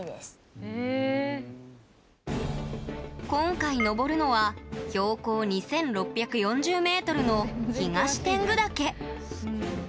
今回、登るのは標高２６４０ｍの東天狗岳。